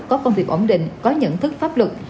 có công việc ổn định có nhận thức pháp luật